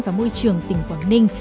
và môi trường tỉnh quảng ninh